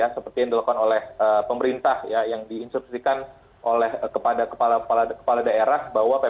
seperti yang dilakukan oleh pemerintah yang diinsubsidikan oleh kepada kepala daerah bahwa ppt mikro ini berlaku untuk seluruh provinsi di indonesia